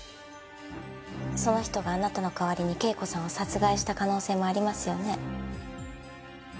その人があなたの代わりに圭子さんを殺害した可能性もありますよね？